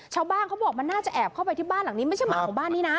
เขาบอกมันน่าจะแอบเข้าไปที่บ้านหลังนี้ไม่ใช่หมาของบ้านนี้นะ